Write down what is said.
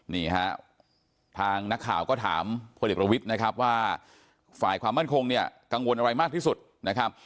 นี่ฮะทางนักข่าวก็ถามพลเอกประวิทย์นะครับว่าฝ่ายความมั่นคงเนี่ยกังวลอะไรมากที่สุดนะครับ